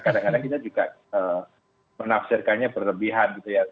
kadang kadang kita juga menafsirkannya berlebihan gitu ya